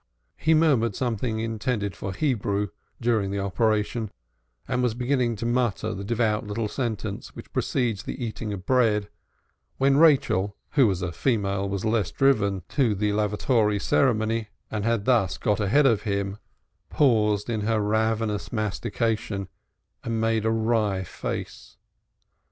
He murmured something intended for Hebrew during the operation, and was beginning to mutter the devout little sentence which precedes the eating of bread when Rachel, who as a female was less driven to the lavatory ceremony, and had thus got ahead of him, paused in her ravenous mastication and made a wry face.